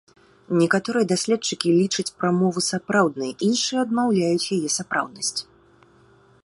Некаторыя даследчыкі лічаць прамову сапраўднай, іншыя адмаўляюць яе сапраўднасць.